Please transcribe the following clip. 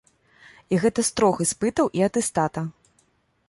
І гэта з трох іспытаў і атэстата!